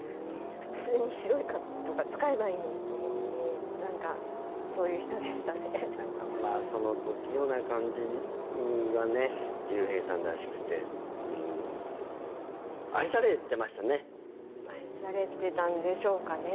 普通に白い紙とか使えばいいのにと思うのに何かその不器用な感じがね竜兵さんらしくてうん愛されてたんでしょうかね